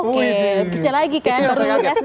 oke kece lagi kan baru sd